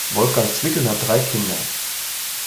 Wolfgang Zwickel hat drei Kinder.